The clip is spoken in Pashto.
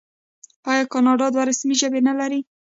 آیا کاناډا دوه رسمي ژبې نلري؟